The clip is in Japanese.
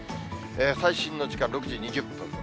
最新の時間、６時２０分。